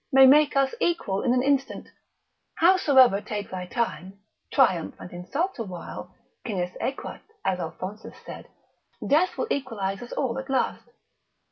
may make us equal in an instant; howsoever take thy time, triumph and insult awhile, cinis aequat, as Alphonsus said, death will equalise us all at last.